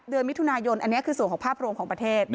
เดือนมิถุนายนอันนี้คือส่วนของภาพรวมของประเทศ